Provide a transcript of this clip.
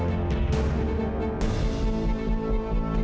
dengan kes leader walks rc news atau program amyala